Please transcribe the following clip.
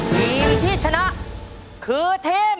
ทีมที่ชนะคือทีม